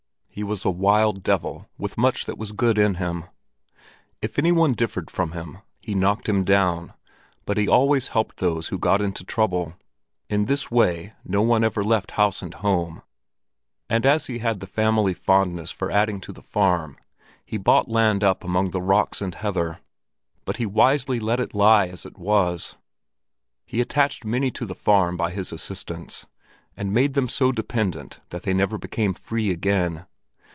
He was a wild devil, with much that was good in him. If any one differed from him, he knocked him down; but he always helped those who got into trouble. In this way no one ever left house and home; and as he had the family fondness for adding to the farm, he bought land up among the rocks and heather. But he wisely let it lie as it was. He attached many to the farm by his assistance, and made them so dependent that they never became free again.